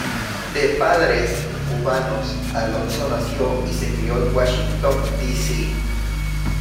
De padres cubanos, Alonso nació y se crio en Washington D. C..